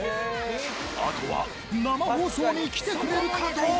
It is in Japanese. あとは生放送に来てくれるかどうか。